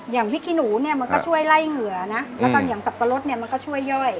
อย่างพริกขี้หนูเนี่ยมันก็ช่วยไล่เหงื่อนะแล้วก็อย่างสับปะรดเนี่ยมันก็ช่วยย่อย